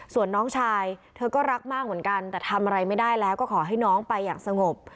ส่วนน้องชายเธอก็รักมากเหมือนกันแต่ทำอะไรไม่ได้แล้วก็ขอให้น้องไปอย่างสงบ